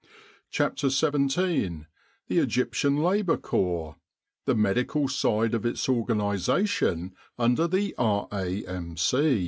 CHAPTER THE EGYPTIAN LABOUR CORPS : THE MEDICAL SIDE OF ITS ORGANISATION UNDER THE R.A.M.